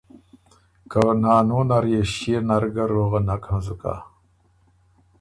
که نانو نر يې ݭيې نر ګۀ روغه نک هنزُک هۀ۔